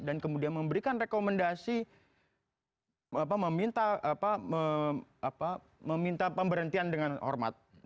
dan kemudian memberikan rekomendasi meminta pemberhentian dengan hormat